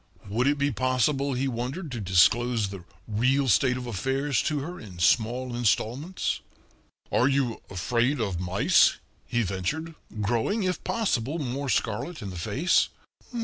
Would it be possible, he wondered to disclose the real state of affairs to her in small installments? "Are you afraid of mice?" he ventured, growing, if possible, more scarlet in the face.